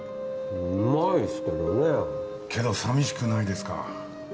うまいっすけどねけど寂しくないですか？